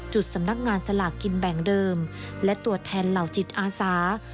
สำนักงานสลากกินแบ่งเดิมและตัวแทนเหล่าจิตอาสา